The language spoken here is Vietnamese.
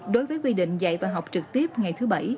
đối với quy định dạy và học trực tiếp ngày thứ bảy